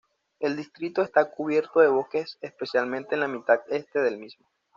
El distrito está cubierto de bosques, especialmente en la mitad Este del mismo.